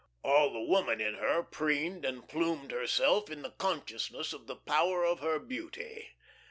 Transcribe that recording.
All the woman in her preened and plumed herself in the consciousness of the power of her beauty.